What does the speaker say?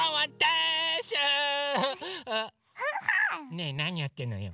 ねえなにやってんのよ。